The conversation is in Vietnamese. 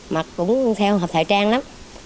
mặc cũng theo hợp thời trang lắm